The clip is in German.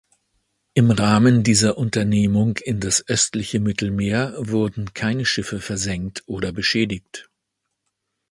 Im Rahmen dieser Unternehmung in das östliche Mittelmeer, wurden keine Schiffe versenkt oder beschädigt.